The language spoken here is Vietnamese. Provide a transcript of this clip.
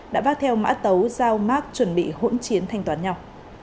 đã vác theo mã tấu giao mát chuẩn bị hỗn chiến thanh toán nhau